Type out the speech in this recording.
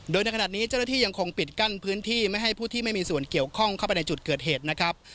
โดยในขณะนี้เจ้าหน้าที่ยังคงปิดกั้นพื้นที่ไม่ให้ผู้ที่ไม่มีส่วนเกี่ยวข้องเข้าไปในจุดเกิดเหตุนะครับ